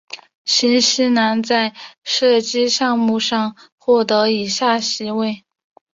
新西兰在射击项目上获得以下席位。